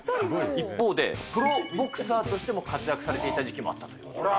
一方で、プロボクサーとしても活躍されていた時期もあったと。